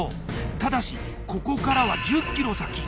ただしここからは１０ｋｍ先。